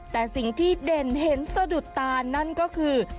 แต่สิ่งที่เด่นเห็นสะดุดตานั่นก็คือ